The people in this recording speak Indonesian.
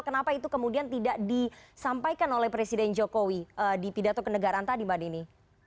kenapa itu kemudian tidak disampaikan oleh presiden jokowi di pidato kenegaraan tadi mbak dini